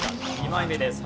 ２枚目です。＃